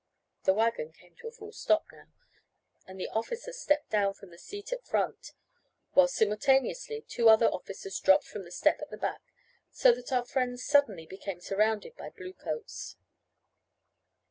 The wagon came to a full stop now, and the officer stepped down from the seat at front, while simultaneously, two other officers dropped from the step at the back, so that our friends suddenly became surrounded by bluecoats.